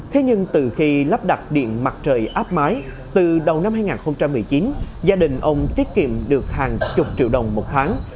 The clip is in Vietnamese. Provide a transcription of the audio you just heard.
thế nhưng từ khi lắp đặt điện mặt trời áp mái từ đầu năm hai nghìn một mươi chín gia đình ông tiết kiệm được hàng chục triệu đồng một tháng